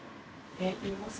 言います？